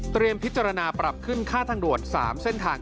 เตรียมพิจารณาปรับขึ้นค่าทางโดรน๓เส้นทาง